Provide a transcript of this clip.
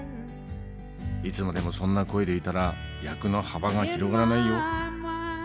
いつまでもそんな声でいたら役の幅が広がらないよ」。